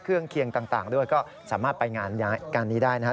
เครื่องเคียงต่างก็สามารถไปงานกันได้นะฮะ